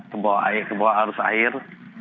ke bawah air ke bawah arus air